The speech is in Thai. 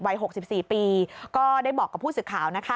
วัย๖๔ปีก็ได้บอกกับผู้สื่อข่าว